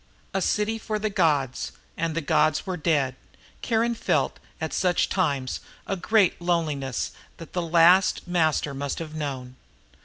A city for the Gods and the Gods were dead. Kiron felt, at such times, the great loneliness that the last Master must have known.